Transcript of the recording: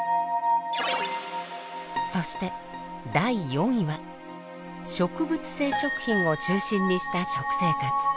そして第４位は「植物性食品を中心にした食生活」。